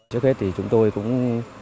trước hết thì chúng tôi cũng